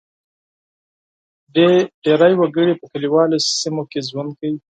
ډېری وګړي په کلیوالي سیمو کې ژوند کوي.